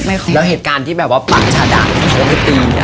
แล้วเหตุการณ์ที่ปากชาดากเขาไปตี